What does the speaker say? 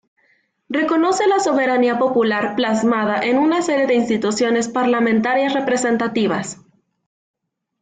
Reconocen la soberanía popular plasmada en una serie de instituciones parlamentarias representativas.